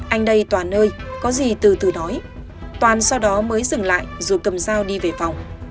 anh đây toàn ơi có gì từ từ nói toàn sau đó mới dừng lại rồi cầm dao đi về phòng